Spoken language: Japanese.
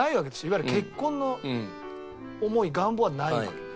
いわゆる結婚の思い願望はないわけ。